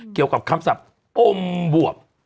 เกี่ยวกับคำศัพท์อมบวบ